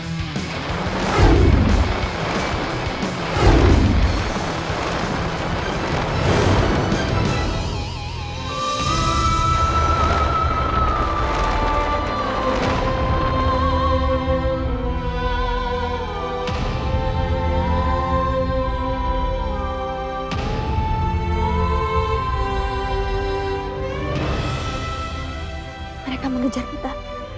mereka mengejar kita